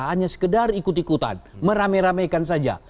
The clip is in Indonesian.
hanya sekedar ikut ikutan meramai ramekan saja